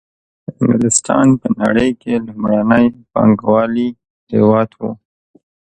انګلستان په نړۍ کې لومړنی پانګوالي هېواد وو